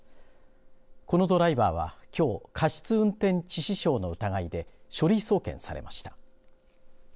このドライバーはきょう過失運転致死傷の疑いで書類送検されました。